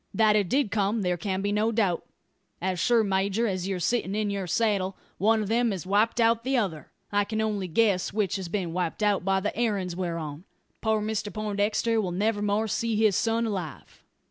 That it did come there can be no doubt. As sure, major, as you're sittin' in your saddle, one of them has wiped out the other. I can only guess which has been wiped out, by the errand we're on. Poor Mr Poindexter will niver more see his son alive."